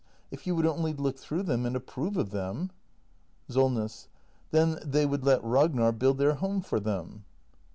If you would only look through them and ap prove of them Solness. Then they would let Ragnar build their home for them